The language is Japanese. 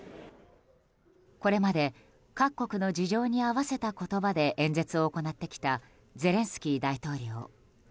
これまで各国の事情に合わせた言葉で演説を行ってきたゼレンスキー大統領。